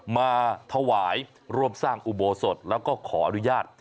มาถวายร่วมสร้างอุโบสถแล้วก็ขออนุญาต